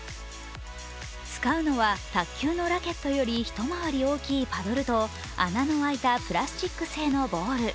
使うのは卓球のラケットより一回り大きいパドルと穴の開いたプラスチック製のボール。